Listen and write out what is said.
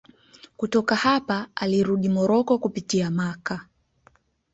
Kutoka hapa alirudi Moroko kupitia Makka.